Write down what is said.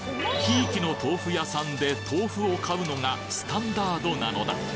贔屓の豆腐屋さんで豆腐を買うのがスタンダードなのだ。